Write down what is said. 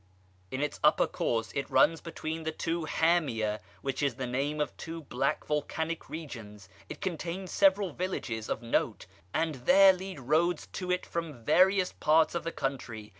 In its upper course it runs between the two Hamiya, which is the name of two black volcanic regions. It contains several villages of note, and there lead roads to it from various parts of the country.